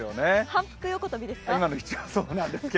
反復横飛びですか？